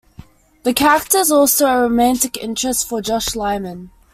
The character is also a romantic interest for Josh Lyman.